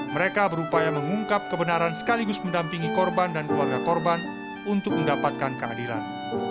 mereka berupaya mengungkap kebenaran sekaligus mendampingi korban dan keluarga korban untuk mendapatkan keadilan